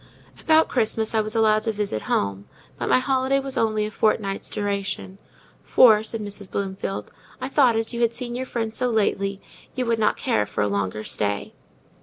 About Christmas I was allowed to visit home; but my holiday was only of a fortnight's duration: "For," said Mrs. Bloomfield, "I thought, as you had seen your friends so lately, you would not care for a longer stay."